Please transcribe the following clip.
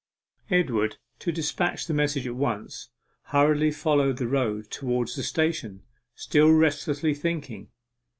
Edward, to despatch the message at once, hurriedly followed the road towards the station, still restlessly thinking.